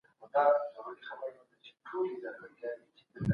قوانين د پوهانو له خوا کشف کيږي.